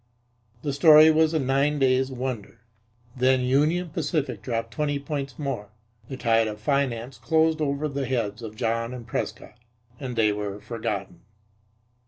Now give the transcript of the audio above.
The story was a nine days' wonder. Then Union Pacific dropped twenty points more, the tide of finance closed over the heads of John and Prescott, and they were forgotten.